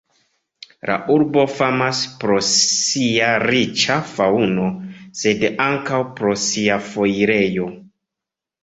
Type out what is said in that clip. La urbo famas pro sia riĉa faŭno, sed ankaŭ pro sia foirejo.